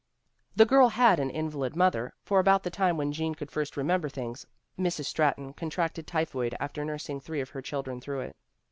The girl had an invalid mother, for about the time when Gene could first remember things Mrs. Stratton contracted typhoid after nursing three of her children through it.